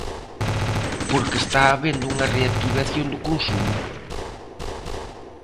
Porque está habendo unha reactivación do consumo.